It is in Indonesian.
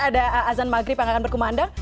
ada azan maghrib yang akan berkumandang